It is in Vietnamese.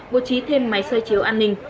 vô trí thêm máy xoay chiếu an ninh